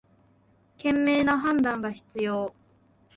賢明な判断が必要